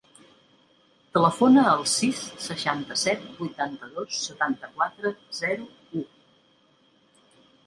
Telefona al sis, seixanta-set, vuitanta-dos, setanta-quatre, zero, u.